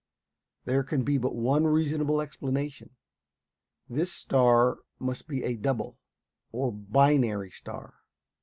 There can be but one reasonable explanation. This star must be a double, or "binary" star.